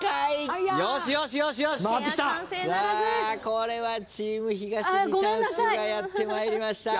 これはチーム東にチャンスがやってまいりました。